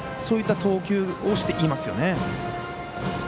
そういった投球をしていますよね。